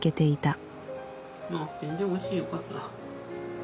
あっ全然おいしいよかった。